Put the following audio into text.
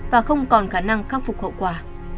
và không còn khả năng khắc phục khẩu quả